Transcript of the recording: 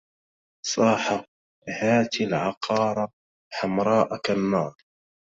صاح هات العقار حمراء كالنار